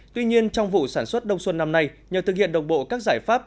tuy nhiên trong vụ sản xuất đông xuân năm nay nhờ thực hiện đồng bộ các giải pháp